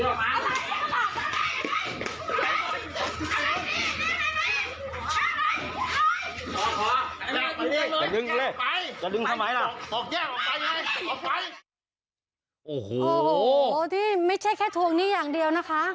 โอ้โหที่ไม่ใช่แค่ทวงหนี้อย่างเดียวนะคะ